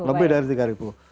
lebih dari tiga ribu